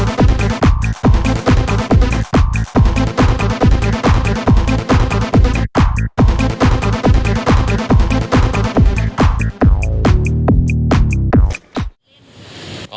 นี่เตอร์